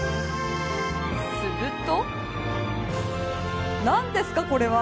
すると。